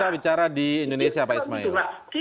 baik pak ismail